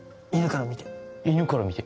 犬から見て。